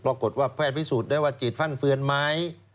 ปรากฏว่าแพทย์พิสูจน์ได้ว่าจิตฟั่นเฟือนไม้